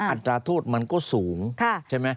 อัตราโทษมันก็สูงใช่ไหม